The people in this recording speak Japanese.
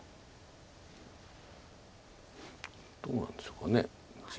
どうなんでしょうか地合いは。